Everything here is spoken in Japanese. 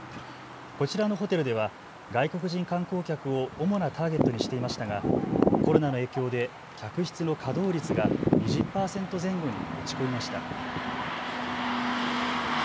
こちらのホテルでは外国人観光客を主なターゲットにしていましたがコロナの影響で客室の稼働率が２０％前後に落ち込みました。